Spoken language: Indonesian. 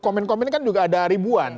komen komen kan juga ada ribuan